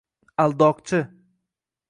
-Aldoqchi.